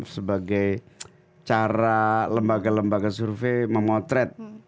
sebagai cara lembaga lembaga survei menggunakan survei sebagai masukan